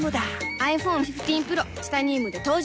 ｉＰｈｏｎｅ１５Ｐｒｏ チタニウムで登場